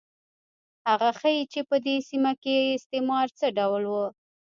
هغه ښيي چې په دې سیمه کې استعمار څه ډول و.